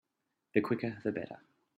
The quicker the better.